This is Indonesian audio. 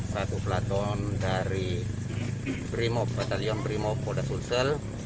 satu pelaton dari brimob batalion brimob kota sulsel